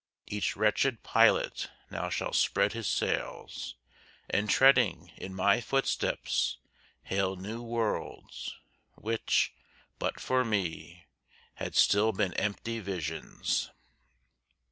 Each wretched pilot now shall spread his sails, And treading in my footsteps, hail new worlds, Which, but for me, had still been empty visions.